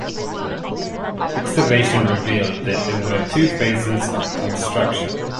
Excavation revealed that there were two phases of construction.